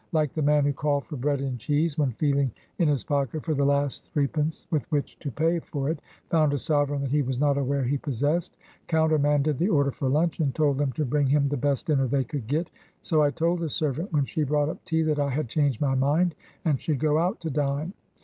Like the man who called for bread and cheese, when feeling in his pocket for the last threepence with which to pay for it, found a sovereign that he was not aware he pos sessed, countermanded the order for lunch, and told them to bring him the best dinner they could get, so I told the servant, when she brought up tea, that I had changed my mind, and should go out to dine.